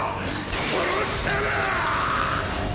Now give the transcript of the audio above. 殺したな！